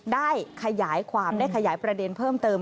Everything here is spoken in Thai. ได้ขยายความได้ขยายประเด็นเพิ่มเติม